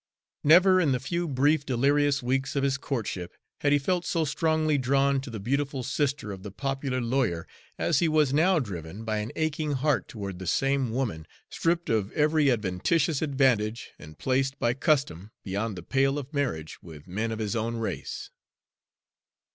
Never in the few brief delirious weeks of his courtship had he felt so strongly drawn to the beautiful sister of the popular lawyer, as he was now driven by an aching heart toward the same woman stripped of every adventitions advantage and placed, by custom, beyond the pale of marriage with men of his own race.